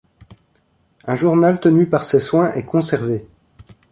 Un journal tenu par ses soins est conservé.